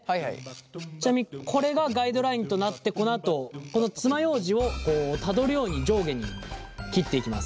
ちなみにこれがガイドラインとなってこのあとこのつまようじをたどるように上下に切っていきます。